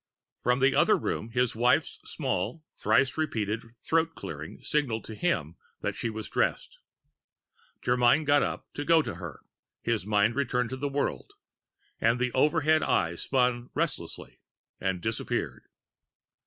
From the other room, his wife's small, thrice repeated throat clearing signaled to him that she was dressed. Germyn got up to go to her, his mind returning to the world; and the overhead Eye spun relentlessly, and disappeared.